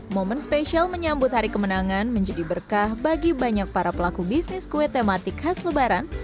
momen spesial menyambut hari kemenangan menjadi berkah bagi banyak para pelaku bisnis kue tematik khas lebaran